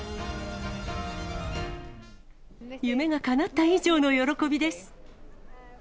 夢がかなった以上の喜びです。